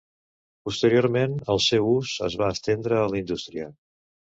Posteriorment el seu ús es va estendre a la indústria.